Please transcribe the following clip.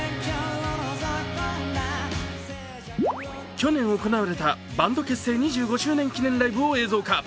去年行われたバンド結成２５周年記念ライブを映像化。